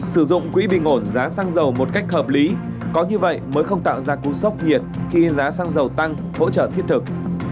sử dụng quỹ bình ổn giá xăng dầu một cách hợp lý có như vậy mới không tạo ra cú sốc nhiệt khi giá xăng dầu tăng hỗ trợ thiết thực